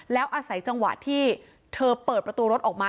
แล้วอาศัยจังหวะที่เธอเปิดประตูรถออกมา